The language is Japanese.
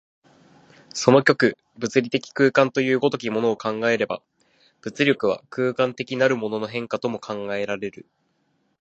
その極、物理的空間という如きものを考えれば、物力は空間的なるものの変化とも考えられる。